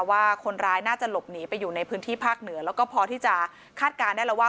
ว่าคนร้ายน่าจะหลบหนีไปอยู่ในพื้นที่ภาคเหนือแล้วก็พอที่จะคาดการณ์ได้แล้วว่า